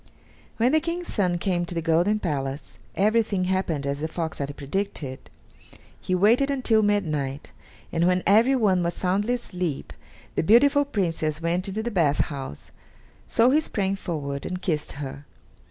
When the King's son came to the golden palace, everything happened as the fox had predicted. He waited until midnight, and when everyone was soundly asleep the beautiful Princess went into the bath house, so he sprang forward and kissed her.